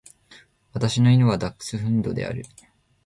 私の犬はダックスフンドである。